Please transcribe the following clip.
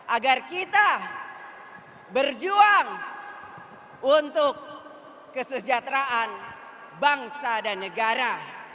agar kita berjuang untuk kesejahteraan bangsa dan negara